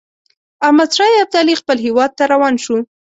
احمدشاه ابدالي خپل هیواد ته روان شو.